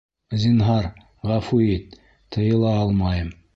Зинһар, ғәфү ит, тыйыла алмайым...